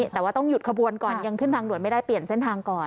แต่ว่าต้องหยุดขบวนก่อนยังขึ้นทางด่วนไม่ได้เปลี่ยนเส้นทางก่อน